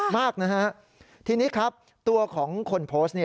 มากนะฮะทีนี้ครับตัวของคนโพสต์